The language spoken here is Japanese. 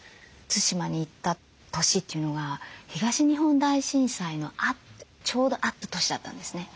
対馬に行った年というのが東日本大震災のちょうどあった年だったんですね。